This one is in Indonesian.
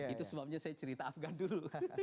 itu sebabnya saya cerita afgan dulu